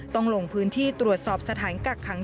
ต้องลงพื้นที่ตรวจสอบสถานกักขัง